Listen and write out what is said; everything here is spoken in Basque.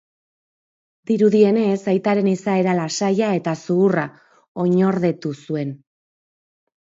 Dirudienez, aitaren izaera lasaia eta zuhurra oinordetu zuen.